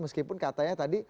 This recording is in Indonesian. meskipun katanya tadi